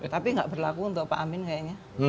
tapi nggak berlaku untuk pak amin kayaknya